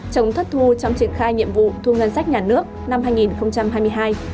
chống thất thu trong triển khai nhiệm vụ thu ngân sách nhà nước năm hai nghìn hai mươi hai